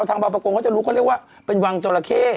ทางภาพประคนานก็จะรู้ว่าเป็นวังจรเค